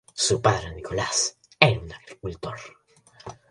Su padre, Nicolás, era un agricultor.